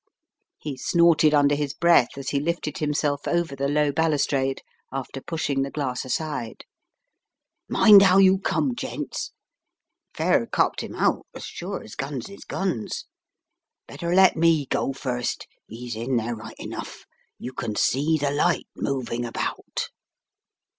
He snorted under his breath as he lifted himself over the low balustrade after pushing the glass aside. "Mind *ow you come, gents. Fair copped him out, as sure as guns is guns. Better let me go first, Vs in there right enough. You can see the light moving about."